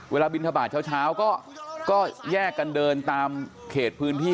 บินทบาทเช้าก็แยกกันเดินตามเขตพื้นที่